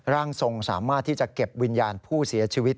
ร่างทรงสามารถที่จะเก็บวิญญาณผู้เสียชีวิต